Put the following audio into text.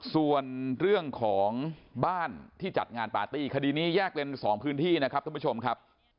ส่วนเรื่องของบ้านที่จัดงานปาร์ตี้คดีนี้แยกเป็น๒พื้นที่นะครับท่านผู้ชมครับ